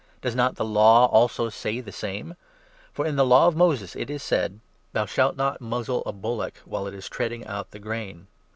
Does not the Law also say the same ? For in the Law of Moses it is 9 said —' Thou shalt not muzzle a bullock while it is treading out the grain.'